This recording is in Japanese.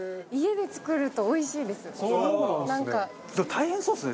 大変そうですね。